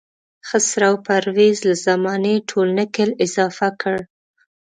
خسرو پرویز له زمانې ټول نکل اضافه کړ.